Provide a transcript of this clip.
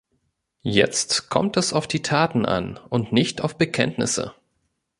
Jetzt kommt es auf die Taten an und nicht auf Bekenntnisse!